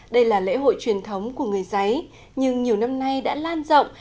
đây là lễ hội truyền thống của người giấy nhưng nhiều năm nay đã lan rộng